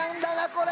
これ。